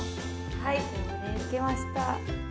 はいできました。